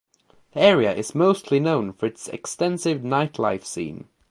The area is mostly known for its extensive nightlife scene.